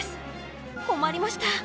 困りました！